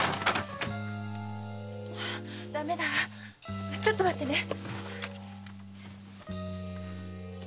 あダメだわちょっと待ってね。